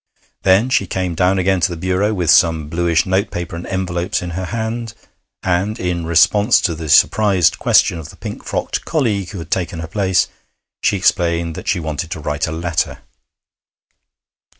Then she came down again to the bureau with some bluish note paper and envelopes in her hand, and, in response to the surprised question of the pink frocked colleague who had taken her place, she explained that she wanted to write a letter.